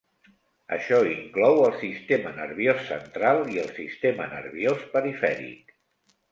Això inclou el sistema nerviós central i el sistema nerviós perifèric.